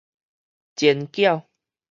煎餃